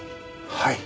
はい。